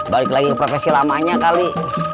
balik lagi ke profesi lamanya kali